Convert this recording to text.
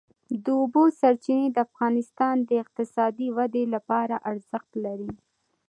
د اوبو سرچینې د افغانستان د اقتصادي ودې لپاره ارزښت لري.